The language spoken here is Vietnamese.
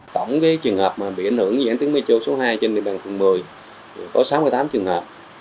tổng cái trường hợp mà bị ảnh hưởng diễn tích metro số hai trên địa bàn phường một mươi có sáu mươi tám trường hợp